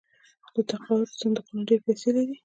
د تقاعد صندوقونه ډیرې پیسې لري.